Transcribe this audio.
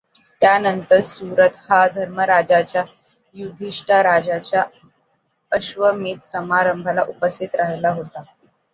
त्यानंतर सुरथ हा धर्मराजाच्या युधिष्ठिराच्या अश्वमेधसमारंभात उपस्थित राहिला होता.